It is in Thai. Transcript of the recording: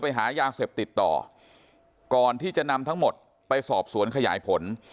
ไปหายาเสพติดต่อก่อนที่จะนำทั้งหมดไปสอบสวนขยายผล